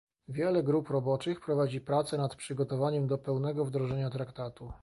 Wiele grup roboczych prowadzi prace nad przygotowaniem do pełnego wdrożenia traktatu